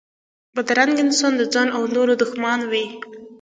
بدرنګه انسان د ځان و نورو دښمن وي